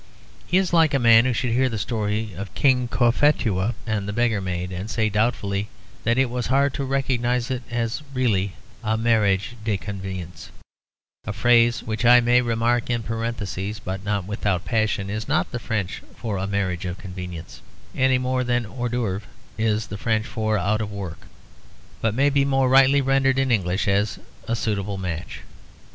He is like a man who should hear the story of King Cophetua and the beggar maid and say doubtfully that it was hard to recognise it as really a mariage de convenance; a phrase which (I may remark in parenthesis but not without passion) is not the French for "a marriage of convenience," any more than hors d'oeuvre is the French for "out of work"; but may be more rightly rendered in English as "a suitable match."